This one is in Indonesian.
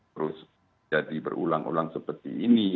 terus jadi berulang ulang seperti ini